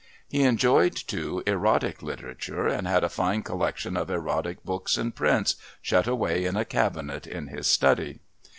He enjoyed, too, erotic literature and had a fine collection of erotic books and prints shut away in a cabinet in his study.